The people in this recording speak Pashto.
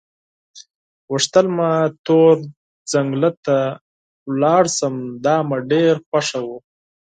غوښتل مې تور ځنګله ته ولاړ شم، دا مې ډېره خوښه وه.